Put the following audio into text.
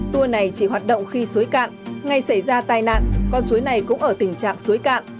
tour này chỉ hoạt động khi suối cạn ngày xảy ra tai nạn con suối này cũng ở tình trạng suối cạn